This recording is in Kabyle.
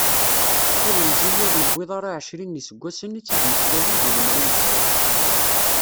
Ilemẓi ur niwiḍ ara ɛecrin n yiseggasen i tt-id-yettwalin di lemri n sdat.